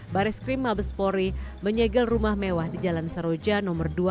bareskrim mabespori menyegel rumah mewah di jalan saroja no dua